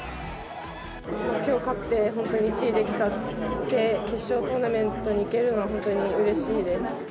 きょう勝って、本当に１位で決勝トーナメントに行けるのは本当にうれしいです。